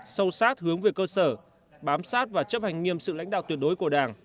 sâu sát hướng về cơ sở bám sát và chấp hành nghiêm sự lãnh đạo tuyệt đối của đảng